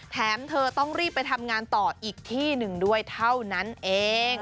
แถมเธอต้องรีบไปทำงานต่ออีกที่หนึ่งด้วยเท่านั้นเอง